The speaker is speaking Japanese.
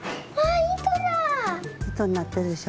いとになってるでしょ。